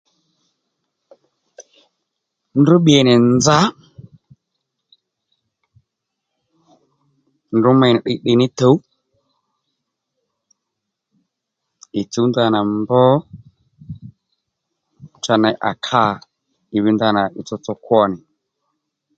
Ndrǔ bbi nì nza ndrǔ mey nì tdiytdiy ní tuw ì chǔw ndanà mb cha ney à kâ ì vi ndanà ì tsotso kwo nì